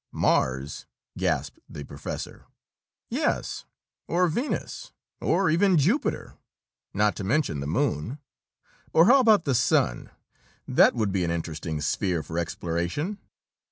"Mars?" gasped the professor. "Yes, or Venus, or even Jupiter, not to mention the moon! Or how about the sun? That would be an interesting sphere for exploration."